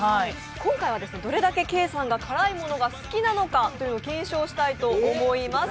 今回はどれだけケイさんが辛いものが好きなのかを検証をしたいと思います。